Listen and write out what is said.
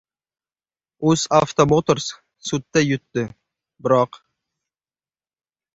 «UzAuto Motors» sudda yutdi, biroq...